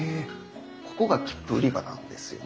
ここが切符売り場なんですよね。